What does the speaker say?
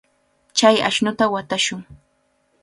Chay ashnuta watashun.